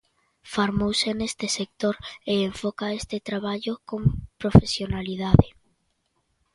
Formouse neste sector e enfoca este traballo con profesionalidade.